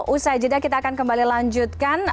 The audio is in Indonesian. usai jeda kita akan kembali lanjutkan